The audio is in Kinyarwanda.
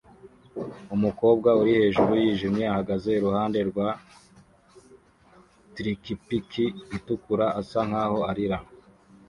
Umukobwa uri hejuru yijimye ahagaze iruhande rwa trikipiki itukura asa nkaho arira